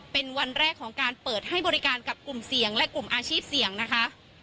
เป็นวันแรกของการเปิดให้บริการกับกลุ่มเสี่ยงและกลุ่มอาชีพเสี่ยงนะคะ